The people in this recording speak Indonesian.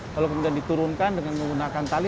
lalu kemudian diturunkan dengan menggunakan tali